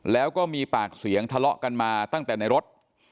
แล้วก็มีปากเสียงทะเลาะกันมาตั้งแต่ในรถ